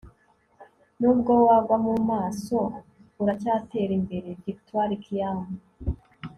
nubwo wagwa mu maso, uracyatera imbere. - victor kiam